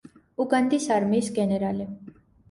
უგანდის არმიის გენერალი.